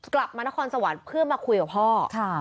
กลับมานครสวรรค์เพื่อมาคุยกับพ่อ